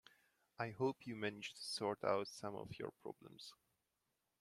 I hope you managed to sort out some of your problems.